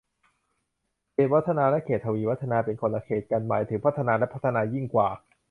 เขตวัฒนา และเขตทวีวัฒนา เป็นคนละเขตกัน หมายถึงพัฒนาและพัฒนายิ่งกว่า